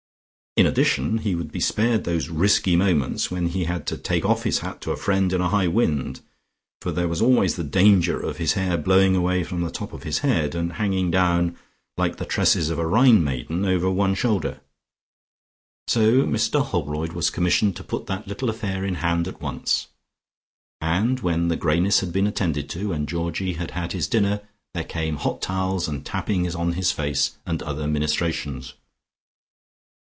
In addition he would be spared those risky moments when he had to take off his hat to a friend in a high wind, for there was always the danger of his hair blowing away from the top of his head, and hanging down, like the tresses of a Rhine maiden over one shoulder. So Mr Holroyd was commissioned to put that little affair in hand at once, and when the greyness had been attended to, and Georgie had had his dinner, there came hot towels and tappings on his face, and other ministrations.